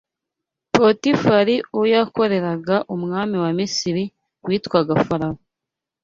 Potifari uwo yakoreraga umwami wa Misiri witwaga Farawo